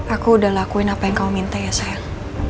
aku udah lakuin apa yang kamu minta ya sayang